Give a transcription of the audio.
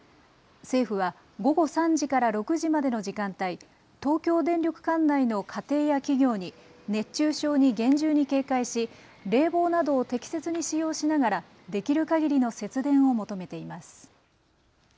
政府は午後３時から６時までの時間帯、東京電力管内の家庭や企業に熱中症に厳重に警戒し冷房などを適切に使用しながらできるかぎりの節電を求めています。